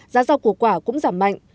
giá rau củ quả cũng giảm mạnh